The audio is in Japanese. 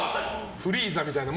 フリーザみたいな。